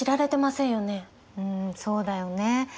うんそうだよね。